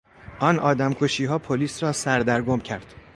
آن آدمکشیها پلیس را سردرگم کرد.